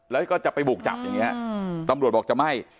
แล้วก็จะไปบุกจับอย่างนี้ตำรวจบอกจะไม่